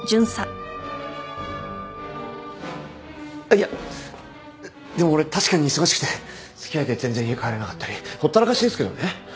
いやでも俺確かに忙しくて付き合いで全然家帰れなかったりほったらかしですけどね。